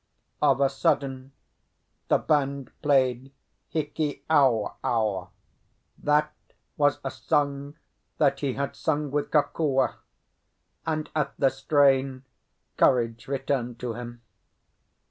Of a sudden the band played Hiki ao ao; that was a song that he had sung with Kokua, and at the strain courage returned to him.